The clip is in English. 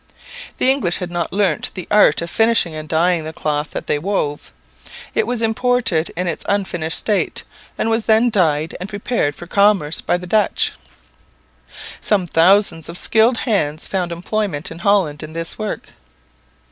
The English had not learnt the art of finishing and dyeing the cloth that they wove; it was imported in its unfinished state, and was then dyed and prepared for commerce by the Dutch. Some thousands of skilled hands found employment in Holland in this work.